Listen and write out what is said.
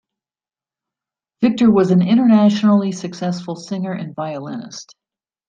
Victor was an internationally successful singer and violinist.